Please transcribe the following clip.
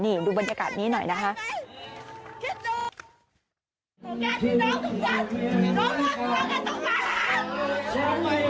นี่ดูบรรยากาศนี้หน่อยนะคะ